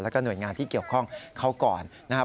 แล้วก็หน่วยงานที่เกี่ยวข้องเขาก่อนนะครับ